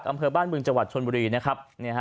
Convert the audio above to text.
อำเภอบ้านบึงจังหวัดชนบุรีนะครับ